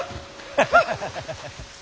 ハハハハハッ。